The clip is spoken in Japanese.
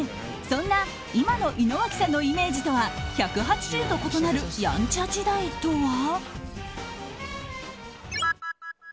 そんな今の井之脇さんのイメージとは１８０度異なるやんちゃ時代とは。